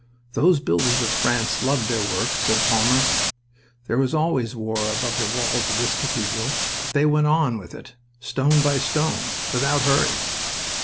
"Those builders of France loved their work," said Palmer. "There was always war about the walls of this cathedral, but they went on with it, stone by stone, without hurry."